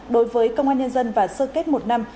đối với công an nhân dân và sơ kết một năm